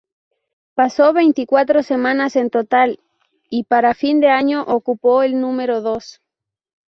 Pasó veinticuatro semanas en total y para fin de año, ocupó el número dos.